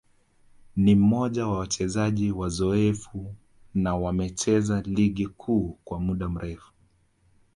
ni mmoja wa wachezaji wazoefu na wamecheza Ligi Kuu kwa muda mrefu